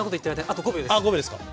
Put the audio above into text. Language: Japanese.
あっ５秒ですか！